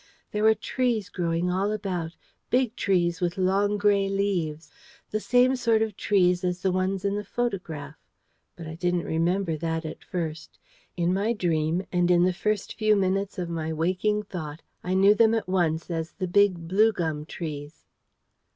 There were trees growing all about, big trees with long grey leaves: the same sort of trees as the ones in the photograph. But I didn't remember that at first: in my dream, and in the first few minutes of my waking thought, I knew them at once as the big blue gum trees.